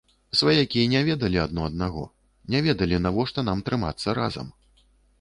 Сваякі не ведалі адно аднаго, не ведалі, навошта нам трымацца разам.